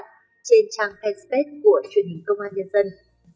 trên trang facebook của truyền hình công an nhật dân